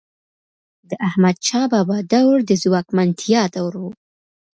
د احمدشاه بابا دور د ځواکمنتیا دور و.